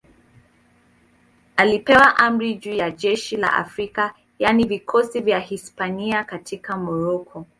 Alipewa amri juu ya jeshi la Afrika, yaani vikosi vya Hispania katika Moroko.